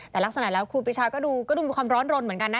แต่ลักษณะแล้วครูปีชาก็ดูก็ดูมีความร้อนรนเหมือนกันนะ